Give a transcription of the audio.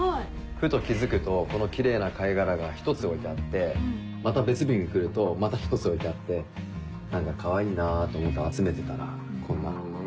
ふと気付くとこのキレイな貝殻が１つ置いてあってまた別日に来るとまた１つ置いてあって何かかわいいなと思って集めてたらこんな。